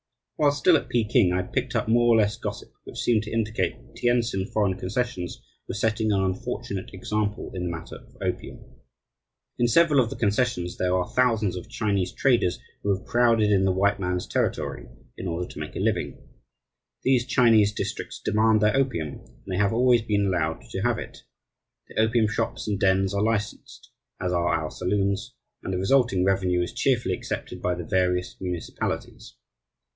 While still at Peking, I had picked up more or less gossip which seemed to indicate that the Tientsin foreign concessions were setting an unfortunate example in the matter of opium. In several of the concessions there are thousands of Chinese traders who have crowded in the white man's territory, in order to make a living. These Chinese districts demand their opium, and they have always been allowed to have it. The opium shops and dens are licensed, as are our saloons, and the resulting revenue is cheerfully accepted by the various municipalities.